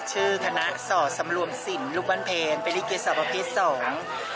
ชื่อคณะสอดสำรวมสินลูกบ้านเพลเป็นลิเกสอบประเภทสอง